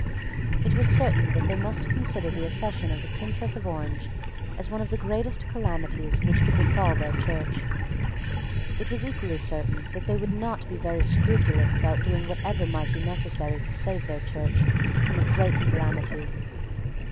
It was certain that they must consider the accession of the Princess of Orange as one of the greatest calamities which could befall their Church. It was equally certain that they would not be very scrupulous about doing whatever might be necessary to save their Church from a great calamity.